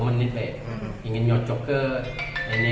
menit baik ingin nyocok ke